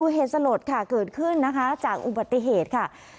เหตุสลดค่ะเกิดขึ้นนะคะจากอุบัติเหตุค่ะ